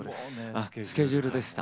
あスケジュールでした。